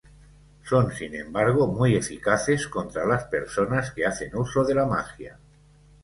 Son sin embargo muy eficaces contra las personas que hacen uso de la magia.